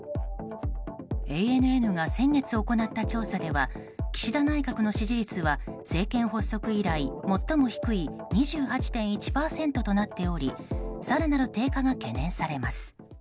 ＡＮＮが先月行った調査では岸田内閣の支持率は政権発足以来、最も低い２８．１％となっており更なる低下が懸念されます。